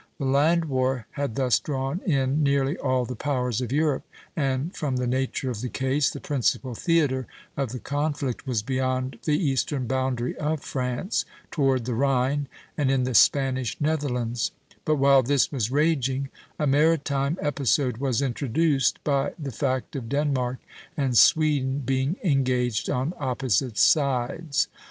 The land war had thus drawn in nearly all the powers of Europe, and, from the nature of the case, the principal theatre of the conflict was beyond the eastern boundary of France, toward the Rhine, and in the Spanish Netherlands; but while this was raging, a maritime episode was introduced by the fact of Denmark and Sweden being engaged on opposite sides.